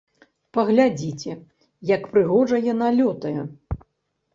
Паглядзіце, як прыгожа яна лётае!